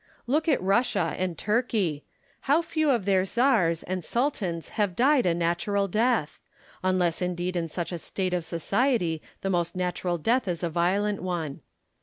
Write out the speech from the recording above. Look at Russia and Turkey : how few of their czars and sultans have died a natural death !— unless indeed in such a state of society the most natural death is a violent one.